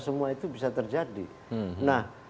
semua itu bisa terjadi nah